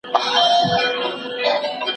د سياسي چارو څارنه د سالمې ټولني نښه ده.